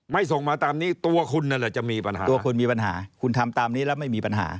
ส่งมาตามนี้ตัวคุณนั่นแหละจะมีปัญหาตัวคุณมีปัญหาคุณทำตามนี้แล้วไม่มีปัญหา